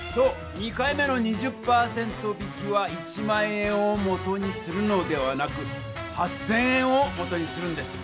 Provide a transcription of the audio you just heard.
２回目の２０％引きは１００００円を元にするのではなく８０００円を元にするんです。